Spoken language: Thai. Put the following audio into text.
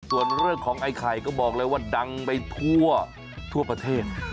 ส่วนเรื่องของไอ้ไข่ก็บอกเลยว่าดังไปทั่วประเทศ